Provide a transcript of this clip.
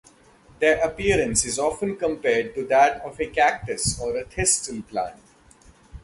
Their appearance is often compared to that of a cactus or thistle plant.